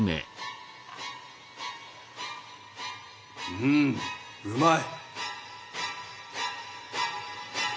うんうまい。